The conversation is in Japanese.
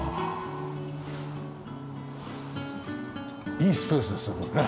いいスペースですねこれね。